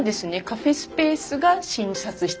カフェスペースが診察室。